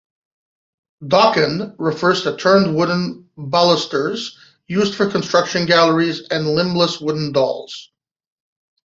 'Docken' refers to turned wooden balusters used for construction galleries and limbless wooden dolls.